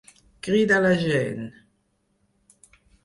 Crida la gent!